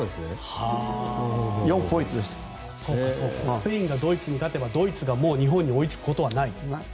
スペインがドイツに勝てばもう日本に追いつくことはない。